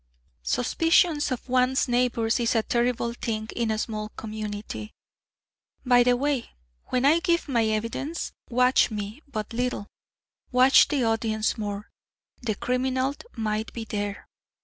Suspicion of one's neighbors is a terrible thing in a small community. By the way, when I give my evidence, watch me but little watch the audience more. The criminal might be there!"